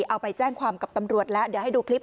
เอาไปแจ้งความกับตำรวจแล้วเดี๋ยวให้ดูคลิป